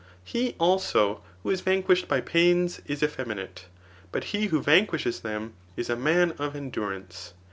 He, also, who is vanquished by pains is effeminate, but he who van* quishes them is a man of endurance.